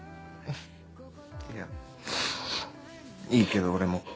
いやいいけど俺も洞窟で。